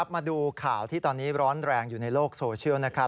มาดูข่าวที่ตอนนี้ร้อนแรงอยู่ในโลกโซเชียลนะครับ